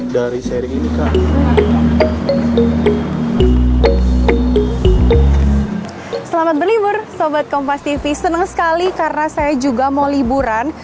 dari seri ini kak selamat berlibur sobat kompas tv seneng sekali karena saya juga mau liburan